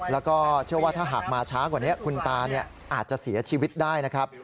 แล้วก็เชื่อว่าถ้าหากมาช้ากว่านี้คุณตาอาจจะเสียชีวิตได้นะครับ